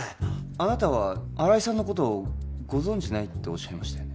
あなたは新井さんのことをご存じないっておっしゃいましたよね？